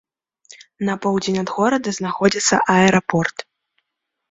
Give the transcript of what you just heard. На поўдзень ад горада знаходзіцца аэрапорт.